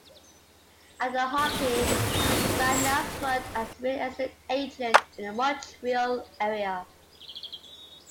After hockey, Vadnais worked as a real estate agent in the Montreal area.